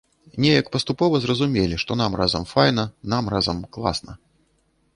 Неяк паступова зразумелі, што нам разам файна, нам разам класна.